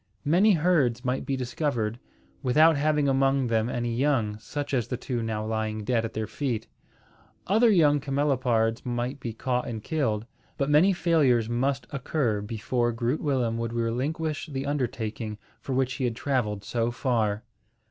Many herds might be discovered, without having among them any young, such as the two now lying dead at their feet. Other young camelopards might be caught and killed; but many failures must occur before Groot Willem would relinquish the undertaking for which he had travelled so far.